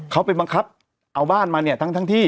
เขาไปบังคับเอาบ้านมาเนี่ยทั้งที่